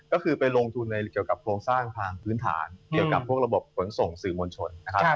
ก็คือไปลงทุนในเกี่ยวกับโครงสร้างทางพื้นฐานเกี่ยวกับพวกระบบขนส่งสื่อมวลชนนะครับ